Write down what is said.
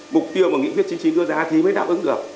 mục tiêu mà nghị quyết chín mươi chín đưa ra thì mới đáp ứng được